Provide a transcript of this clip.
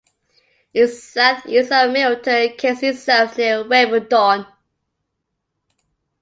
It is south-east of Milton Keynes itself, near Wavendon.